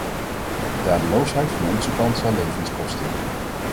Dadeloosheid van onze kant zal levens kosten.